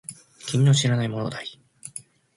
君の知らない物語